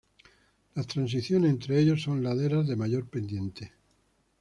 Las transiciones entre ellos son laderas de mayor pendiente.